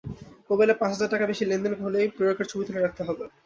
মোবাইলে পাঁচ হাজার টাকার বেশি লেনদেন হলেই প্রেরকের ছবি তুলে রাখতে হবে।